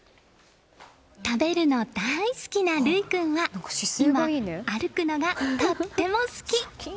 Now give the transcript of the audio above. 食べるの大好きな琉生君は今、歩くのがとても好き！